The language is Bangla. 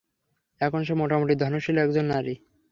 এখন সে মোটামুটি ধনশালী একজন নারী।